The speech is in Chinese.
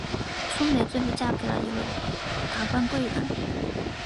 春梅最后嫁给了一名达官贵人。